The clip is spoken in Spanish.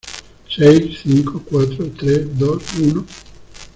Seis, cinco , cuatro , tres , dos , uno